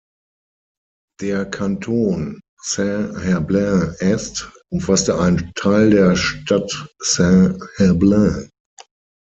Der Kanton Saint-Herblain-Est umfasste einen Teil der Stadt Saint-Herblain.